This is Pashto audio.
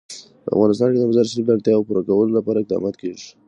په افغانستان کې د مزارشریف د اړتیاوو پوره کولو لپاره اقدامات کېږي.